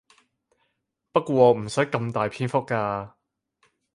不過唔使咁大篇幅㗎